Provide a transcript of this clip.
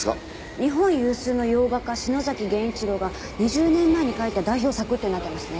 「日本有数の洋画家篠崎源一郎が二十年前に描いた代表作」ってなってますね。